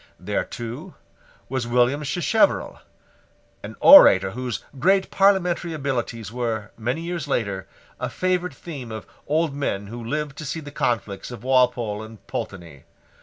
There, too, was William Sacheverell, an orator whose great parliamentary abilities were, many years later, a favourite theme of old men who lived to see the conflicts of Walpole and Pulteney.